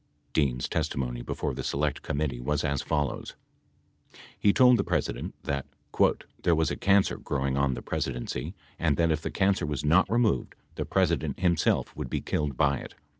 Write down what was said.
Dean's testimony before the Select Committee was as follows : He told the President that "there was a cancer growing on the Presi dency and that if the cancer was not removed the President himself would be killed by it."